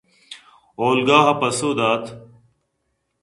اولگاءَ پسو دات